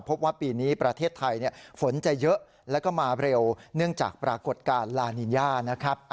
พบว่าปีนี้ประเทศไทยฝนจะเยอะแล้วก็มาเร็วเนื่องจากปรากฏการณ์ลานินยานะครับ